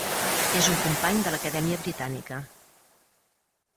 És un company de l'Acadèmia Britànica.